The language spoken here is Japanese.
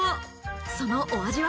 そのお味は？